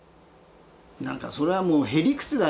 何かそれはもうへ理屈だよ。